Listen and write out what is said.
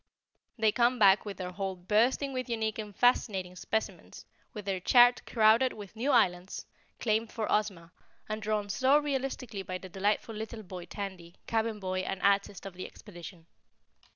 They come back with their hold bursting with unique and fascinating specimens, with their chart crowded with new islands, claimed for Ozma, and drawn so realistically by the delightful little boy Tandy, Cabin Boy and Artist of the Expedition.